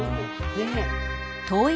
ねえ。